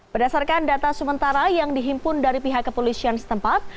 berdasarkan data sementara yang dihimpun dari pihak kepolisian setempat